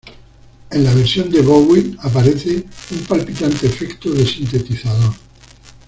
En la versión de Bowie aparece un palpitante efecto de sintetizador.